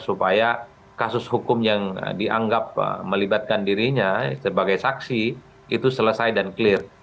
supaya kasus hukum yang dianggap melibatkan dirinya sebagai saksi itu selesai dan clear